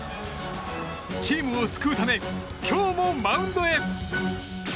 チームを救うため今日もマウンドへ。